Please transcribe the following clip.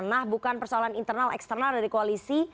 nah bukan persoalan internal eksternal dari koalisi